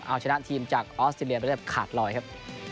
เอาชนะทีมจากออสเตรเลียโดยสัมพันธ์ขาดลอยครับ